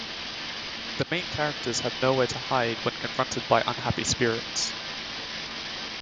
The main characters have nowhere to hide when confronted by unhappy spirits.